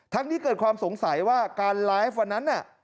นี้เกิดความสงสัยว่าการไลฟ์วันนั้นน่ะ